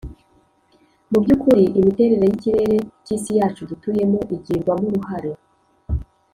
mu by'ukuri, imiterere y'ikirere k'isi yacu dutuyemo, igirwamo uruhare